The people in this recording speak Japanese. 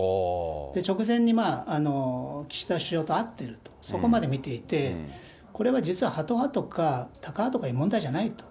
直前に岸田首相と会ってると、そこまで見ていて、これは実は、ハト派とかタカ派とかいう問題じゃないと。